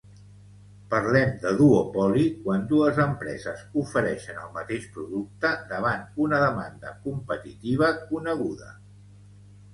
Parlem de duopoli quan dues empreses ofereixen el mateix producte davant una demanda competitiva coneguda.